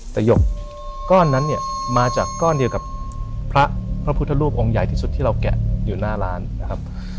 แต่หยกก้อนนั้นเนี่ยมาจากก้อนเดียวกับพระพระพุทธรูปองค์ใหญ่ที่สุดที่เราแกะอยู่หน้าร้านนะครับ